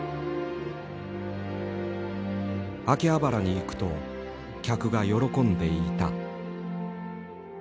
秋葉原に行くと客が喜んでいた。